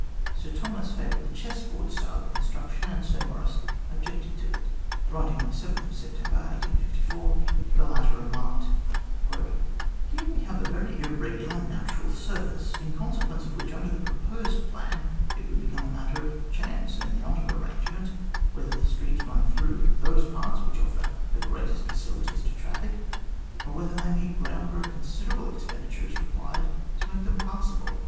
Sir Thomas favoured the chessboard style of construction, and Sir Maurice objected to it. Writing on September 7, 1854, the latter remarked :" Here we have a very irregular natural surface, in consequence of which, under the proposed plan, it would become a matter of chance and not of arrangement whether the streets run through those parts which offer the greatest facilities to traffic, or whether they meet the ground where a considerable expenditure is required to make them passable.